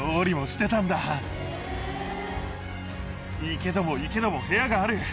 行けども行けども部屋がある。